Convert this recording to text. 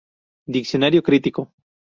Diccionario crítico".